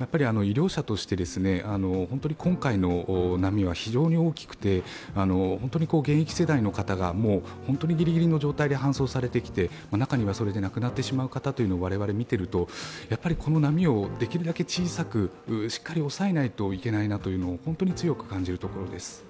医療者として、本当に今回の波は非常に大きくて、本当に現役世代の方がぎりぎりの状態で搬送されてきて、中にはそれで亡くなってしまう方を我々見ていると、この波をできるだけ小さく、しっかり抑えないといけないなと本当に強く感じるところです。